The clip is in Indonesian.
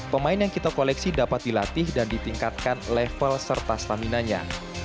pemain yang kita koleksi dapat dilatih dan ditingkatkan level serta staminanya